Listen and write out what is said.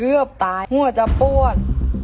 เกือบตายหัวจะป้วน